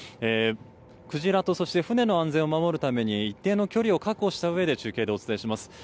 クジラとそして船の安全を守るために一定の距離を確保したうえで中継でお伝えします。